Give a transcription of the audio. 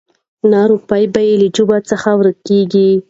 نه روپۍ به له جېبو څخه ورکیږي